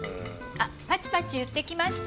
あっパチパチいってきました。